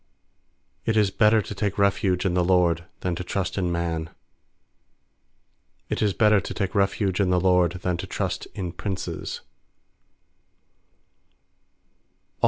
8It is better to take refuge in the LORD Than to trust in man. 9It is better to take refuge in the LORD Than to trust in princes.